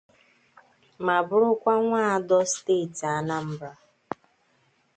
ma bụrụkwa Nwaadọ steeti Anambra